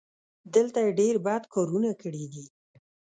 دلته یې ډېر بد کارونه کړي دي.